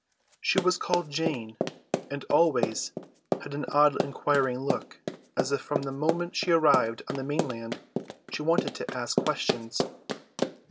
She was called Jane, and always had an odd inquiring look, as if from the moment she arrived on the mainland she wanted to ask questions.